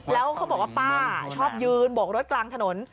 แล้วเขาบอกว่าป้าชอบยืนโบกรถกลางถนน